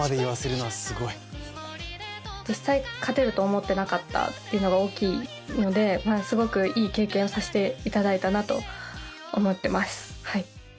実際勝てると思ってなかったっていうのが大きいのですごくいい経験をさせていただいたなと思ってます